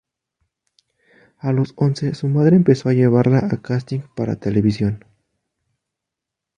A los once, su madre empezó a llevarla a castings para televisión.